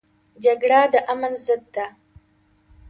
جګړه د امن ضد ده